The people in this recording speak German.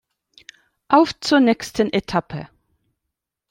Auf zur nächsten Etappe!